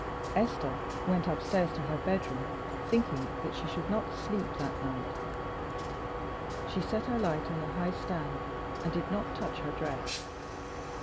Esther went up stairs to her bedroom, thinking that she should not sleep that night. She set her light on a high stand, and did not touch her dress.